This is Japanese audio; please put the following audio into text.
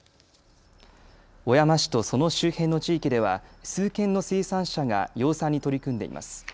小山市とその周辺の地域では数軒の生産者が養蚕に取り組んでいます。